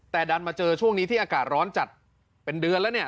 แต่ดันมาเจอช่วงนี้ที่อากาศร้อนจัดเป็นเดือนแล้วเนี่ย